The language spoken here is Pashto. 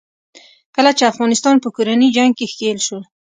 کله چې افغانستان په کورني جنګ کې ښکېل شو.